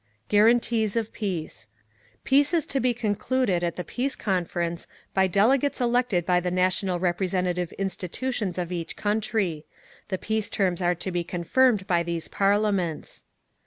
Guarantees of Peace Peace is to be concluded at the Peace Conference by delegates elected by the national representative institutions of each country. The peace terms are to be confirmed by these parliaments.